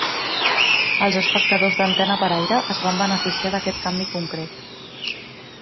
Els espectadors d'antena per aire es van beneficiar d'aquest canvi concret.